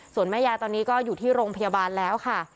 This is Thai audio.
ส่วนแม่ยายตอนนี้ก็อยู่ที่โรงพยาบาลแล้วค่ะ